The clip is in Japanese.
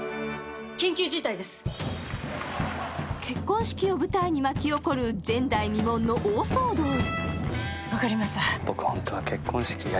結婚式を舞台に巻き起こる前代未聞の大騒動。